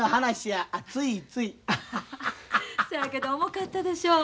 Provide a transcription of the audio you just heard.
そやけど重かったでしょう。